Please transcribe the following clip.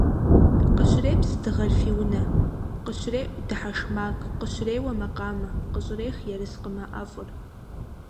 Къыщрепс дыгъэр фи унэ, къыщреӏу дыхьэшх макъ, къыщреуэ макъамэ, къыщӏрех ерыскъымэ ӏэфӏыр.